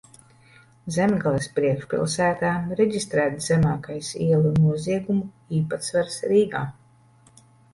Zemgales priekšpilsētā reģistrēts zemākais ielu noziegumu īpatsvars Rīgā.